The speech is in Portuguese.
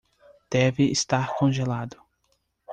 Deve estar congelado.